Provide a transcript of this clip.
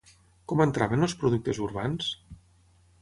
Com entraven els productes urbans?